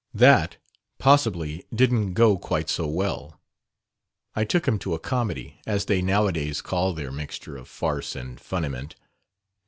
"That, possibly, didn't go quite so well. I took him to a 'comedy,' as they nowadays call their mixture of farce and funniment.